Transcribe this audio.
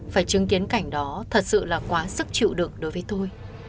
phải chứng kiến cảnh đó thật sự là quá sức chịu đựng đối với tôi